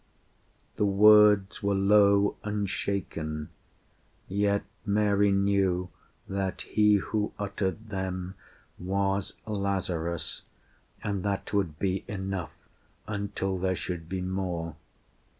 The words were low and shaken, Yet Mary knew that he who uttered them Was Lazarus; and that would be enough Until there should be more